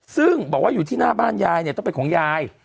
ซึ่งบอกว่าอยู่ที่หน้าบ้านยายเนี่ยต้องเป็นของยาย